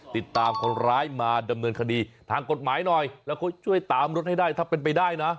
ติดตามคนร้ายมาดำเนินคดีทางกฎหมายหน่อยแล้วเขาช่วยตามรถให้ได้ถ้าเป็นไปได้นะ